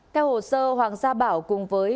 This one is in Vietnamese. theo hồ sơ hoàng gia bảo cùng với